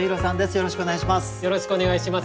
よろしくお願いします。